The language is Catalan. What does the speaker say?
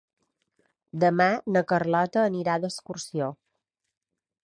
Demà na Carlota anirà d'excursió.